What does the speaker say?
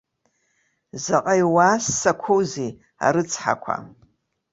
Заҟа иуаассақәоузеи, арыцҳақәа!